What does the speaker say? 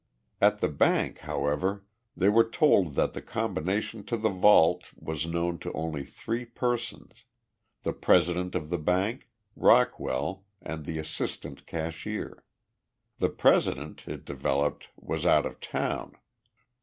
At the bank, however, they were told that the combination to the vault was known to only three persons the president of the bank, Rockwell, and the assistant cashier. The president, it developed, was out of town.